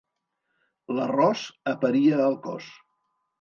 L'arròs aparia el cos.